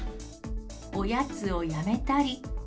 おやつをやめたり。